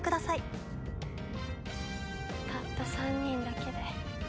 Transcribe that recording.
たった３人だけで？